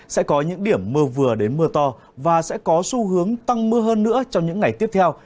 sẽ có những điểm mưa vừa đến mưa to và sẽ có xu hướng tăng mưa hơn nữa trong những ngày tiếp theo